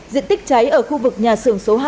diện tích cháy ở khu vực nhà xưởng số hai